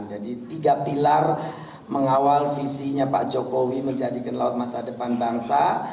jadi tiga pilar mengawal visinya pak jokowi menjadikan laut masa depan bangsa